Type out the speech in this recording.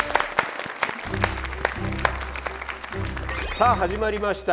さあ始まりました。